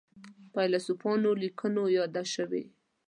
فیلسوفانو لیکنو یاده شوې.